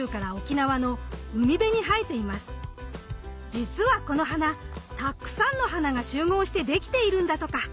じつはこの花たくさんの花が集合してできているんだとか。